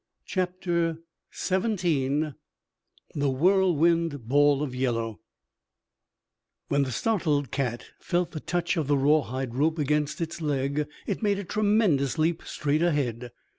CHAPTER XVII THE WHIRLWIND BALL OF YELLOW When the startled cat felt the touch of the raw hide rope against its leg it made a tremendous leap straight ahead.